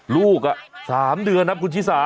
ลูกน่ะสามเดือนนะคุณชิสา